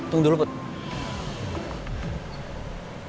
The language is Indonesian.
tunggu dulu put